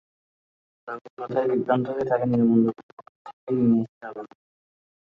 রোগীর কথায় বিভ্রান্ত হয়ে তাকে নিরাময় কেন্দ্র থেকে নিয়ে আসা যাবে না।